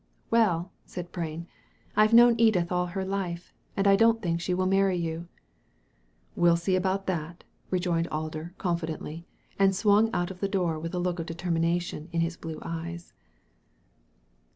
" Well," said Prain, « I've known Edith all her life, and I don't think she will marry you." " We'll see about that," rejoined Alder, confidently, and swung out of the door with a look of determi nation in his blue eyes.